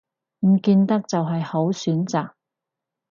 唔見得就係好選擇